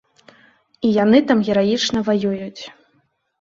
І яны там гераічна ваююць.